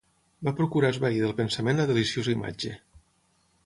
Va procurar esvair del pensament la deliciosa imatge